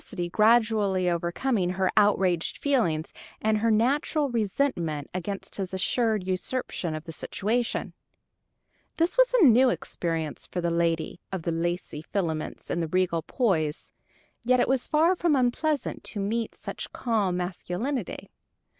She was puzzled her curiosity gradually overcoming her outraged feelings and her natural resentment against his assured usurpation of the situation. This was a new experience for the lady of the lacy filaments and regal poise; yet it was far from unpleasant to meet such calm masculinity.